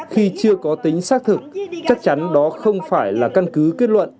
khi chưa có tính xác thực chắc chắn đó không phải là căn cứ kết luận